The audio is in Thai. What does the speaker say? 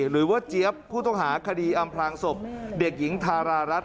เจี๊ยบผู้ต้องหาคดีอำพลางศพเด็กหญิงทารารัฐ